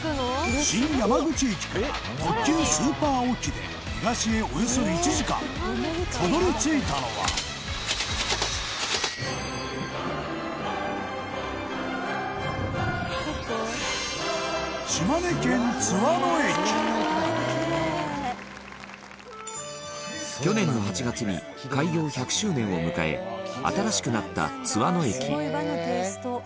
新山口駅から特急スーパーおきで東へ、およそ１時間たどり着いたのは去年８月に開業１００周年を迎え新しくなった、津和野駅羽田：すごい和のテイスト。